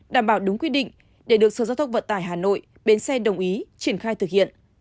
đảm bảo đúng quy định để được sở giao thông vận tải hà nội bến xe đồng ý triển khai thực hiện